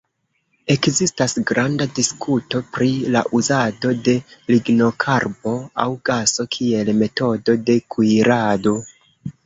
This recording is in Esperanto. Ekzistas granda diskuto pri la uzado de lignokarbo aŭ gaso kiel metodo de kuirado.